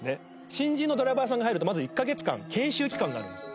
新人のドライバーさんが入るとまず１カ月間研修期間があるんです。